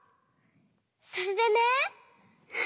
それでね。